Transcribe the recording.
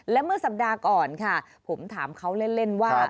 และเมื่อสัปดาห์ก่อนค่ะผมถามเขาเล่นว่า